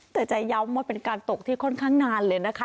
แต่จะย้ำว่าเป็นการตกที่ค่อนข้างนานเลยนะคะ